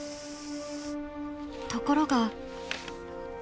ところが。